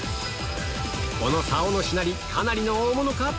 このさおのしなりかなりの大物か？